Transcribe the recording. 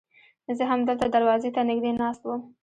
زه همدلته دروازې ته نږدې ناست وم.